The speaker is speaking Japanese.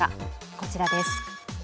こちらです。